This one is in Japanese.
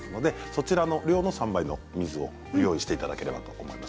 その量の３倍の水を用意していただければと思います。